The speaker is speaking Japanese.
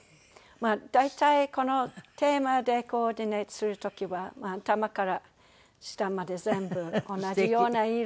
大体このテーマでコーディネートする時は頭から下まで全部同じような色で。